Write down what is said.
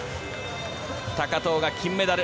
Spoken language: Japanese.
高藤が金メダル。